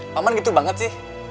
paman gitu banget sih